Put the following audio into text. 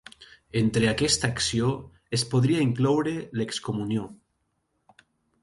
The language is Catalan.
Entre aquesta acció es podria incloure l'excomunió.